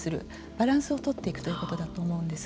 バランスを取っていくということだと思うんです。